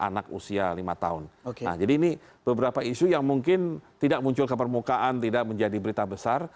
nah ini adalah beberapa isu yang mungkin tidak muncul ke permukaan tidak menjadi berita besar